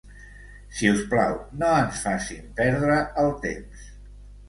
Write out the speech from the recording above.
Si us plau, no ens facin perdre el temps.